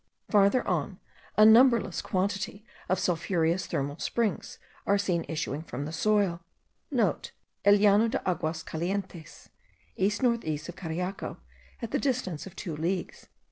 Farther on, a numberless quantity of sulphureous thermal springs* are seen issuing from the soil (* El Llano de Aguas calientes, east north east of Cariaco, at the distance of two leagues.)